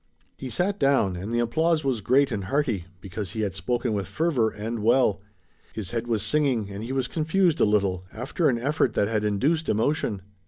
He sat down and the applause was great and hearty, because he had spoken with fervor and well. His head was singing, and he was confused a little, after an effort that had induced emotion.